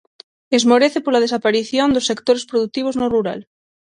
Esmorece pola desaparición dos sectores produtivos no rural.